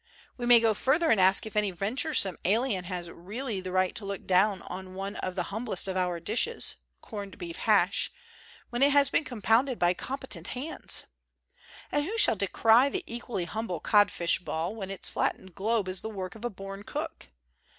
We may go further and ask if any venturesome alien has really the right to look down on one of the hum blest of our dishes, corned beef hash, when it 193 COSMOPOLITAN COOKERY has been compounded by competent hands? And who shall decry the equally humble codfish ball, when its flattened globe is the work of a born cook?